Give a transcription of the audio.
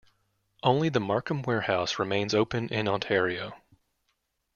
Only the Markham warehouse remains open in Ontario.